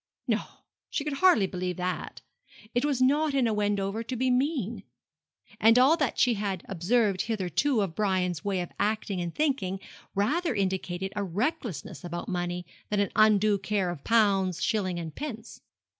No, she could hardly believe that. It was not in a Wendover to be mean. And all that she had observed hitherto of Brian's way of acting and thinking rather indicated a recklessness about money than an undue care of pounds, shillings, and pence.